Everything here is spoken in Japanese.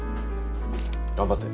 頑張って。